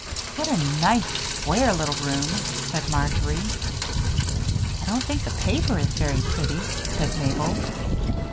"What a nice, square little room!" said Marjory. "I don't think the paper is very pretty," said Mabel.